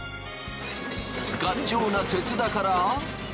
頑丈な鉄だから。